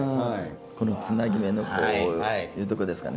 このつなぎ目のこういうとこですかね。